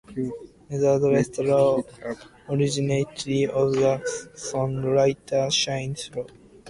Nevertheless, the raw originality of the songwriter shines through.